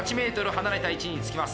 離れた位置につきます。